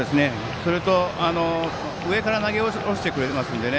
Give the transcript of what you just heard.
それと、上から投げ下ろしてきますのでね